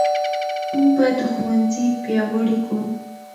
موږ باید ښوونځي پیاوړي کړو.